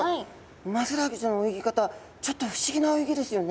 ウマヅラハギちゃんの泳ぎ方ちょっと不思議な泳ぎですよね。